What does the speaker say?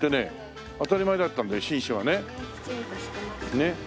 ねっ。